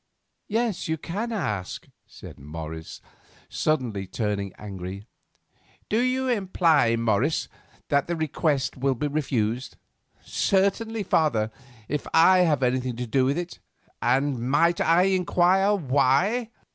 "Yes, you can ask," said Morris, suddenly turning angry. "Do you imply, Morris, that the request will be refused?" "Certainly, father; if I have anything to do with it." "And might I inquire why?"